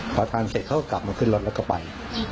พอทานเสร็จเขาก็กลับมาขึ้นรถแล้วก็ไป